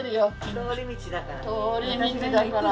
通り道だから。